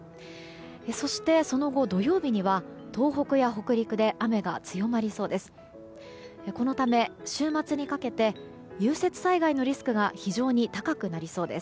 そしてその後、土曜日には東北や北陸で雨が強まりそうです。